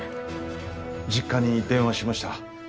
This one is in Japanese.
実家に電話しました。